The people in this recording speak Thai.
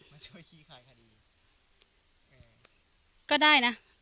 มันน่าจะปกติบ้านเรามีก้านมะยมไหม